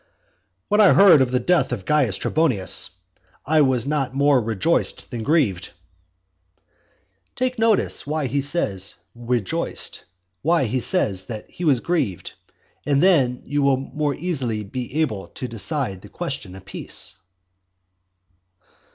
"When I heard of the death of Caius Trebonius, I was not more rejoiced than grieved." Take notice why he says he rejoiced, why he says that he was grieved; and then you will be more easily able to decide the question of peace.